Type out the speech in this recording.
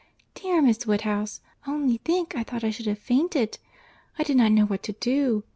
—Dear Miss Woodhouse! only think. I thought I should have fainted. I did not know what to do.